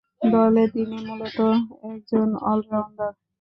দলে তিনি মূলতঃ একজন অল-রাউন্ডার।